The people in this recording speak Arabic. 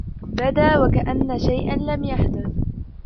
بدى و كأن شيئا لم يحدث.